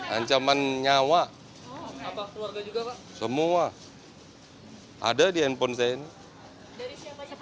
ancaman nyawa semua ada di handphone saya ini